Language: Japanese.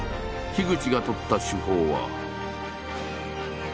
口が取った手法は。